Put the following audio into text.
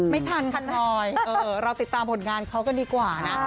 ไม่ทันค่ะพลอยเราติดตามผลงานเขากันดีกว่านะ